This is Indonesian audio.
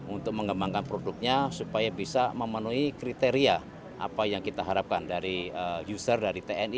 untuk mengembangkan produknya supaya bisa memenuhi kriteria apa yang kita harapkan dari user dari tni